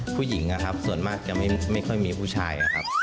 ผู้หญิงส่วนมากจะไม่ค่อยมีผู้ชาย